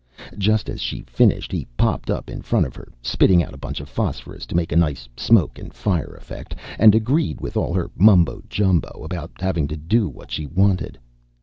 Just as she finished, he popped up in front of her, spitting out a bunch of phosphorus to make a nice smoke and fire effect, and agreed with all her mumbo jumbo about having to do what she wanted.